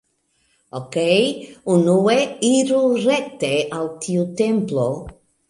Okej. Unue, iru rekte al tiu templo.